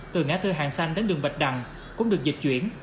từ ngã tư hàng xanh đến đường bạch đằng cũng được dịch chuyển